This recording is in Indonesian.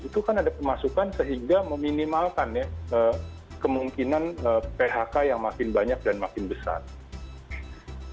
itu kan ada pemasukan sehingga meminimalkan ya kemungkinan phk yang makin banyak dan makin besar